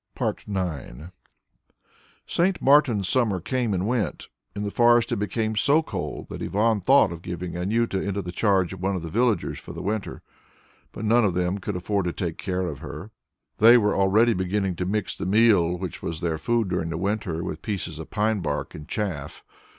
IX St. Martin's summer came and went. In the forest it became so cold, that Ivan thought of giving Anjuta into the charge of one of the villagers for the winter. But none of them could afford to take care of her. They were already beginning to mix the meal, which was their food during the winter, with pieces of pine bark and chaff.